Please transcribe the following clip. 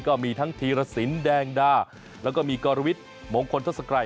ก็มีทั้งธีรสินแดงดาแล้วก็มีกรวิทย์มงคลทศกรัย